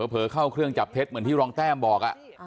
เผลอเข้าเครื่องจับเท็จเหมือนที่รองแต้มบอก